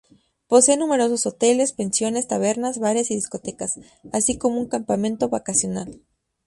Posee numerosos hoteles, pensiones, tabernas, bares y discotecas, así como un campamento vacacional.